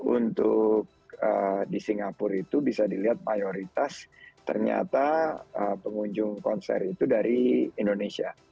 untuk di singapura itu bisa dilihat mayoritas ternyata pengunjung konser itu dari indonesia